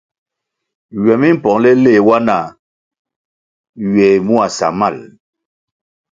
Ywe mi pongʼle nle wa na ywè mua samal ?